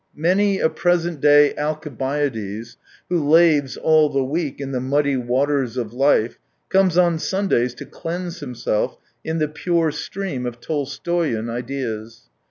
Many a present day Alcibiades, who laves all the week in the muddy waters of life, comes on Sundays to cleanse himself in the pure stream of Tolstoyian ideas.